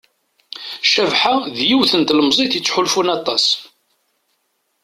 Cabḥa d yiwet n tlemẓit yettḥulfun aṭas.